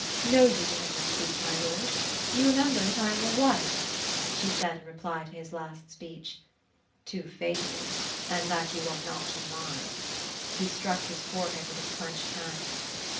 '^ Know you to whom you speak, my lord ? Do you remember that I am a wife ?" she said, in reply to his last speech. " Too fatally, — and ^at you are not mine.*' He struck his forehead with his clenched hand.